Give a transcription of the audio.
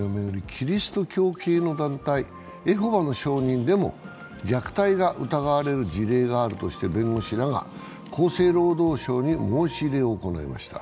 キリスト教系の団体、エホバの証人でも虐待が疑われる事例があるとして弁護士らが厚生労働省に申し入れを行いました。